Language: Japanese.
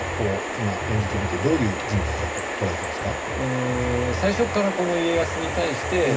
今演じてみてどういう人物だと捉えてますか？